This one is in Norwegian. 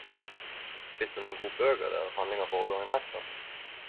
Finnes det noken gode bøker der handlinga foregår i ein rettssal?